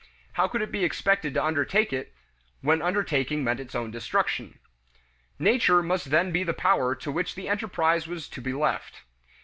How could it be expected to undertake it when the undertaking meant its own destruction? "Nature" must then be the power to which the enterprise was to be left.